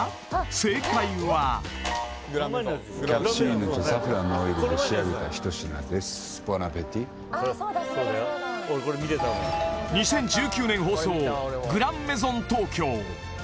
正解は２０１９年放送「グランメゾン東京」